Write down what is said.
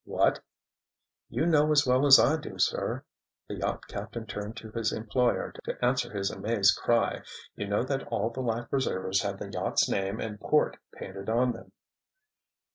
"What?" "You know as well as I do, sir," the yacht captain turned to his employer to answer his amazed cry, "you know that all the life preservers have the yacht's name and port painted on them."